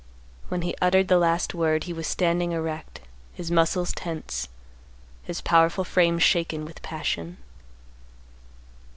When he uttered the last word he was standing erect, his muscles tense, his powerful frame shaken with passion.